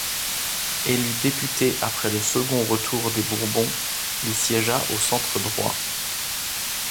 Élu député après le second retour des Bourbons il siégea au centre-droit.